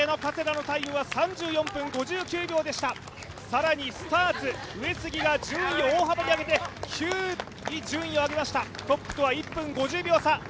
更にスターツの上杉が大幅に順位を上げて９位順位を上げましたトップとは１分５０秒差。